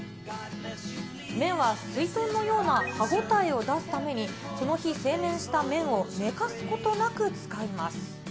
麺はすいとんのような歯応えを出すために、その日、製麺した麺を寝かすことなく使います。